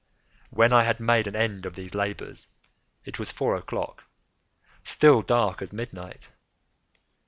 When I had made an end of these labors, it was four o'clock—still dark as midnight.